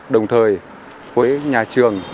đồng thời của nhà trường